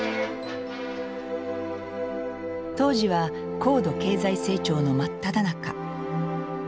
当時は高度経済成長の真っただ中。